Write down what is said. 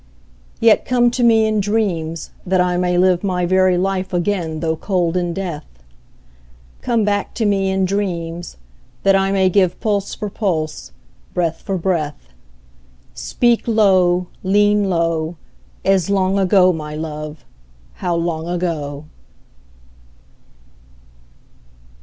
Yet come to me in dreams, that I may live My very life again though cold in death: Come back to me in dreams, that I may give Pulse for pulse, breath for breath: Speak low, lean low, As long ago, my love, how long ago!